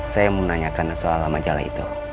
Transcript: saya mau nanyakan soal majalah itu